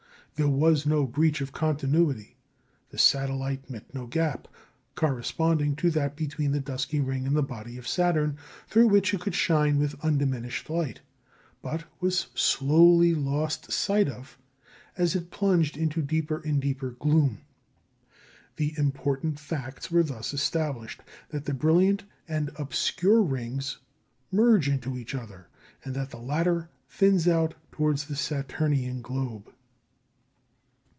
There was no breach of continuity. The satellite met no gap, corresponding to that between the dusky ring and the body of Saturn, through which it could shine with undiminished light, but was slowly lost sight of as it plunged into deeper and deeper gloom. The important facts were thus established, that the brilliant and obscure rings merge into each other, and that the latter thins out towards the Saturnian globe.